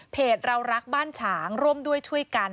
เรารักบ้านฉางร่วมด้วยช่วยกัน